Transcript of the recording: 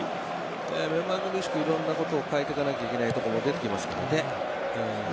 目まぐるしくいろんなことを変えていかなければならないところも出てきます。